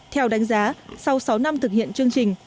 theo đánh giá sau sáu năm thực hiện chương trình